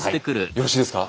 よろしいですか？